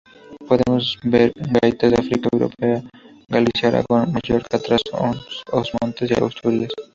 Podemos ver gaitas de África, Europa, Galicia, Aragón, Mallorca, Tras os Montes y Asturias.